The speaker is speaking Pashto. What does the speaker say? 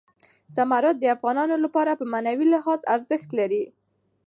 زمرد د افغانانو لپاره په معنوي لحاظ ارزښت لري.